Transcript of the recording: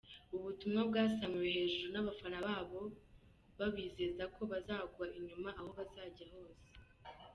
Ubu butumwa bwasamiwe hejuru n’abafana babo babizeza ko bazabagwa inyuma aho bazajya hose.